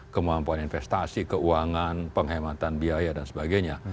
kemampuan investasi keuangan penghematan biaya dan sebagainya